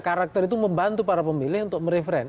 karakter itu membantu para pemilih untuk mereferent